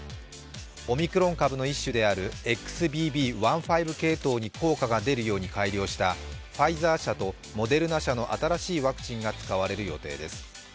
オミクロン株の一種であるＸＢＢ．１．５系統に効果が出るように改良したファイザー社とモデルナ社の新しいワクチンが使われる予定です。